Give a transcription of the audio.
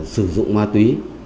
sử dụng ma túy